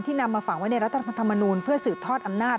นำมาฝังไว้ในรัฐธรรมนูลเพื่อสืบทอดอำนาจ